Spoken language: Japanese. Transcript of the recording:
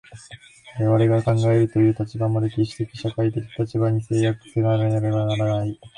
我々が考えるという立場も、歴史的社会的立場に制約せられていなければならない。